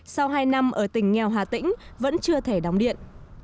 sau hai năm ở tỉnh nghèo hà tĩnh vẫn chưa thể đóng điện